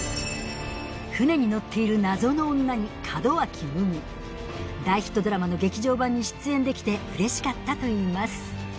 船に乗っている大ヒットドラマの劇場版に出演できてうれしかったといいます